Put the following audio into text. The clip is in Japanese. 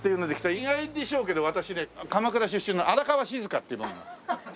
意外でしょうけど私ね鎌倉出身の荒川静香っていう者なんです。